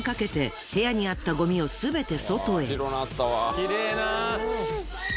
きれいな。